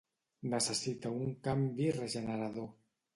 Necessita un canvi regenerador.